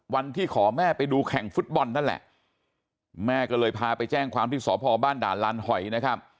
วันที่ขอแม่ไปดูแข่งฟุตบอลนั่นแหละแม่ก็เลยพาไปแจ้งความที่สพบ้านด่านลานหอยนะครับ